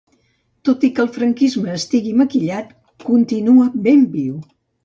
Tot i que el franquisme estigui maquillat, continua ben viu.